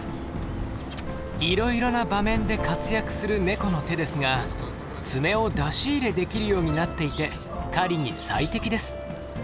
いろいろな場面で活躍するネコの手ですが爪を出し入れできるようになっていて狩りに最適です。